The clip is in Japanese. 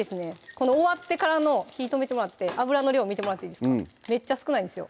この終わってからの火止めてもらって油の量見てもらっていいですかめっちゃ少ないんですよ